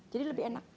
jadi lebih enak